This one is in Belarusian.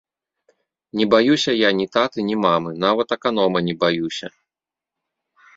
Не баюся я ні таты, ні мамы, нават аканома не баюся!